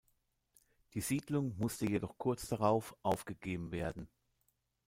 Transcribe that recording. Die Siedlung musste jedoch kurz darauf aufgegeben werden.